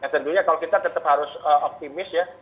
tentunya kalau kita tetap harus optimis ya